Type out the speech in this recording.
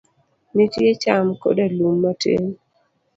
Nitie cham koda lum matin.